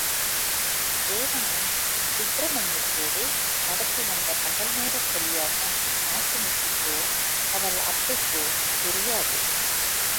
தேவானை, சுப்பிரமணியத்தோடு நடத்தி வந்த பகல் நேரக் களியாட்டம் நாச்சிமுத்துக்கோ, அவள் அத்தைக்கோ தெரியாது.